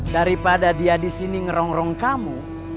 daripada dia disini ngerong rong kamu